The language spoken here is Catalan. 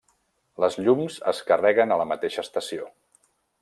Les llums es carreguen a la mateixa estació.